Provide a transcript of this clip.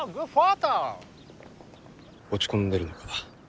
落ち込んでるのか？